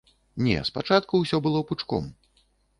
Не, спачатку ўсё было пучком.